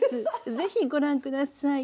是非ご覧下さい。